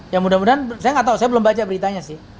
ya mudah mudahan saya nggak tahu saya belum baca beritanya sih